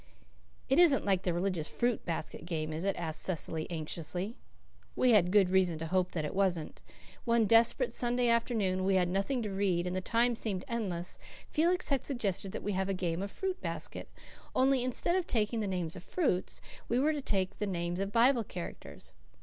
"It isn't like the religious fruit basket game, is it?" asked Cecily anxiously. We had good reason to hope that it wasn't. One desperate Sunday afternoon, when we had nothing to read and the time seemed endless, Felix had suggested that we have a game of fruit basket; only instead of taking the names of fruits, we were to take the names of Bible characters.